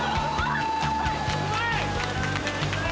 うまい！